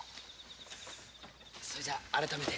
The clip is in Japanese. それじゃ改めて。